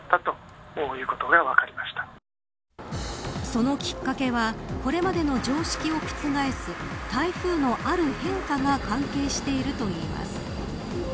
そのきっかけはこれまでの常識を覆す台風のある変化が関係しているといいます。